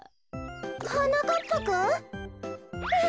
はなかっぱくん？